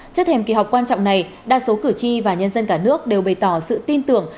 trước thềm kỳ họp quan trọng này đa số cử tri và nhân dân cả nước đều bày tỏ sự tin tưởng